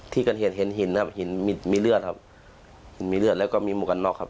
ที่กันเห็นเห็นหินครับหินมีมีเลือดครับหินมีเลือดแล้วก็มีมุกนอกครับ